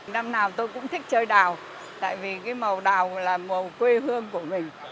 năm nào tôi cũng thích chơi đào tại vì cái màu đào là màu quê hương của mình